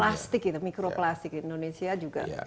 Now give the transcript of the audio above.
plastik itu micro plastic indonesia juga